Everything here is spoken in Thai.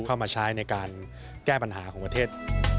เข้ามาใช้ในการแก้ปัญหาของประเทศ